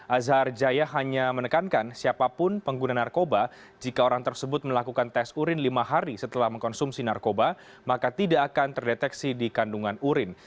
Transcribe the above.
azhar jaya hanya menekankan siapapun pengguna narkoba jika orang tersebut melakukan tes urin lima hari setelah mengkonsumsi narkoba maka tidak akan terdeteksi di kandungan urin